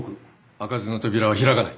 開かずの扉は開かない。